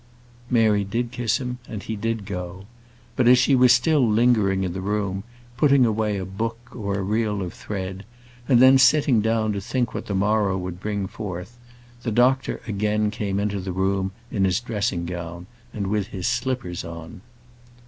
Mary did kiss him, and he did go. But as she was still lingering in the room, putting away a book, or a reel of thread, and then sitting down to think what the morrow would bring forth, the doctor again came into the room in his dressing gown, and with the slippers on.